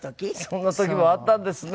そんな時もあったんですね。